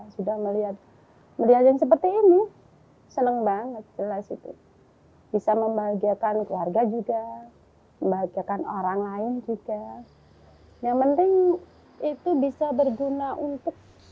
sudah melihat melihat yang seperti ini senang banget